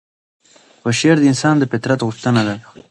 خو شعر د انسان د فطرت غوښتنه ده.